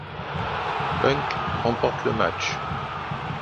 Punk remporte le match.